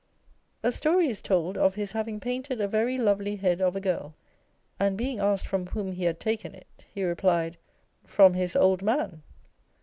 A story is told of his having painted a very lovely head of a girl, and being asked from whom he had taken it, he replied, " From his old man